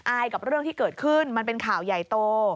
อายกับเรื่องที่เกิดขึ้นมันเป็นข่าวใหญ่โต